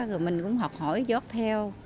rồi mình cũng học hỏi giót theo